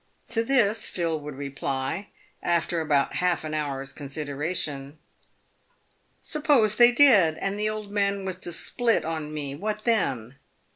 '' To this Phil would reply, after about half an hour's consideration, " Suppose they did, and the old man was to split on me, what then